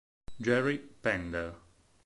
Jerry Pender